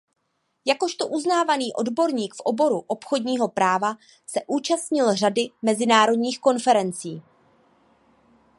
Jakožto uznávaný odborník v oboru obchodního práva se účastnil řady mezinárodních konferencí.